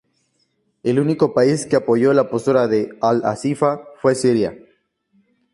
El único país que apoyó la postura de al-Asifah fue Siria.